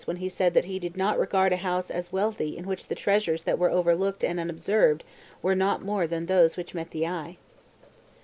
1 he said that he did not regard a house as wealthy in which the treasures that were overlooked and unob served were not more than those which met the eye.